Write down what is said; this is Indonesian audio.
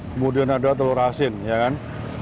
kemudian ada telur asin ya kan